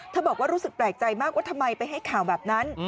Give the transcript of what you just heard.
บอกว่ารู้สึกแปลกใจมากว่าทำไมไปให้ข่าวแบบนั้น